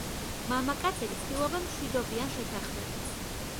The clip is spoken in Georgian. მამაკაცები ცდილობენ მშვიდობიან შეთანხმებას.